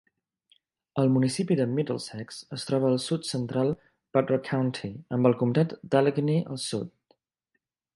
El municipi de Middlesex es troba al Sud-central Butler County, amb el Comtat d'Allegheny al sud.